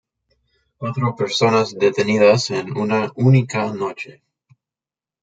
Cuatro personas detenidas en una única noche.